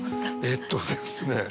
えっとですね